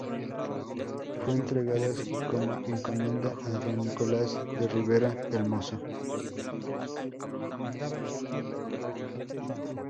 Fue entregada como encomienda a don Nicolás de Ribera, el Mozo.